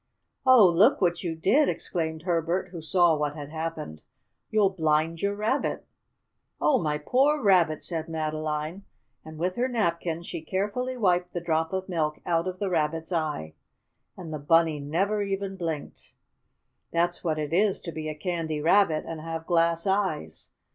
"Oh, look what you did!" exclaimed Herbert, who saw what had happened. "You'll blind your Rabbit." "Oh, my poor Rabbit!" said Madeline, and, with her napkin, she carefully wiped the drop of milk out of the Rabbit's eye. And the Bunny never even blinked. That's what it is to be a Candy Rabbit, and have glass eyes.